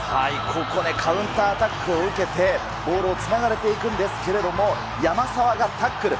ここでカウンターアタックを受けて、ボールをつながれていくんですけれども、山沢がタックル。